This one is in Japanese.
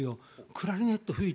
クラリネット吹い